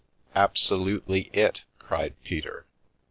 Absolutely it!" cried Peter.